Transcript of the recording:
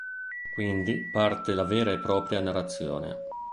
Quindi parte la vera e propria narrazione.